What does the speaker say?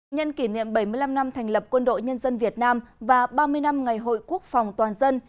nhân kỷ niệm bảy mươi năm năm thành lập quân đội nhân dân việt nam và ba mươi năm ngày hội quốc phòng toàn dân